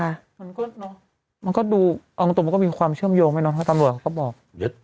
มันก็มันก็ดูเอามาตรงนี้ก็มีความเชื่อมโยงไม่นอนถ้าตำรวจเขาก็บอกเยอะ